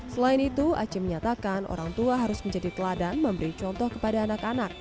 selain itu aci menyatakan orang tua harus menjadi teladan memberi contoh kepada anak anak